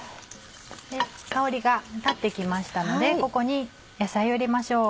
香りが立って来ましたのでここに野菜を入れましょう。